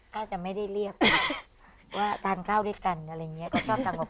ถ้าจะไม่ได้เรียกว่าทานข้าวด้วยกันอะไรอย่างนี้ก็ชอบทานกับ